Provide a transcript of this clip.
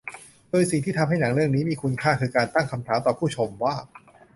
โดยสิ่งที่ทำให้หนังเรื่องนี้มีคุณค่าคือการตั้งคำถามต่อผู้ชมว่า